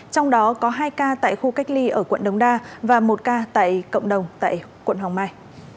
trong đó có hai ca tại khu cách ly ở quận đống đa và một ca tại cộng đồng tại quận hoàng mai